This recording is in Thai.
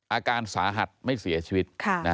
อาการสาหัสไม่เสียชีวิต